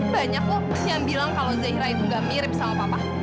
banyak kok yang bilang kalau zahira itu nggak mirip sama papa